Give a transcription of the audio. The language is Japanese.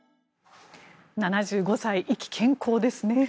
７５歳意気軒高ですね。